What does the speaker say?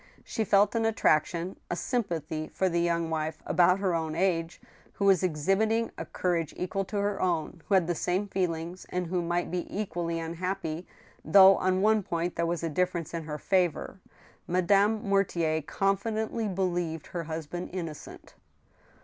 She felt an attraction, a sjrmpathy, for the young wife, about her own age, who was exhibiting a courage equal to her own, who had the same feelings and who might be equally unhappy, though on one point there was a difference in her favor. Madame Mortier confidently believed her husband innocent.